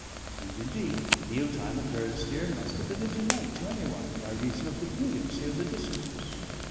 And, indeed, meal time at Durrisdeer must have been a delight to any one, by reason of the brilliancy of the discourse.